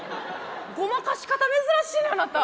ごまかし方珍しいなあなた。